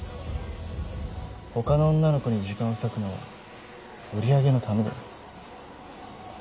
ほかの女の子に時間を割くのは売り上げのためだよ。